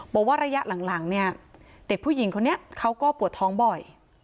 บอกว่าระยะหลังเนี่ยเด็กผู้หญิงคนนี้เขาก็ปวดท้องบ่อย